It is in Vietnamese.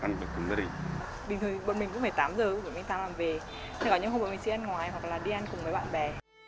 thế có những hôm mình sẽ ăn ngoài hoặc là đi ăn cùng với bạn bè